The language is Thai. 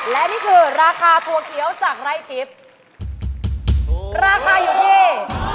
และนี่คือราคาถั่วเกี้ยวจากไร่ทิพย์ราคาอยู่ที่